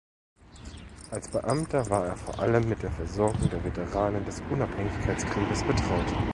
Als Beamter war er vor allem mit der Versorgung der Veteranen des Unabhängigkeitskrieges betraut.